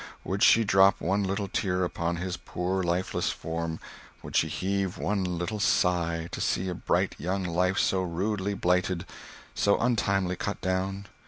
would she drop one little tear upon his poor, lifeless form, would she heave one little sigh to see a bright young life so rudely blighted, so untimely cut down?